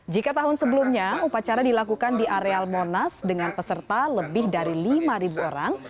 jika tahun sebelumnya upacara dilakukan di areal monas dengan peserta lebih dari lima orang